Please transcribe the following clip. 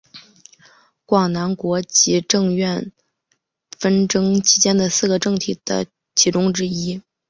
广南国及郑阮纷争期间的四个政体的其中之一。